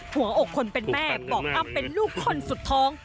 หัวอกคนเป็นแม่บอกอ้ำเป็นลูกคนสุดท้อง